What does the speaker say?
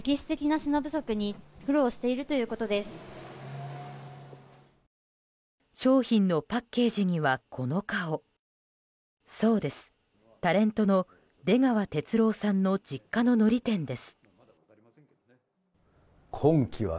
そうです、タレントの出川哲朗さんの実家ののり店です